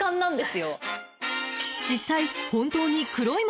［実際］